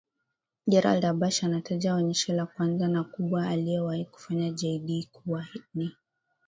Gerald Habash anataja onyesho la kwanza na kubwa alilowahi kufanya Jay Dee kuwa ni